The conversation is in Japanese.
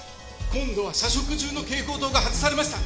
今度は社食中の蛍光灯が外されました。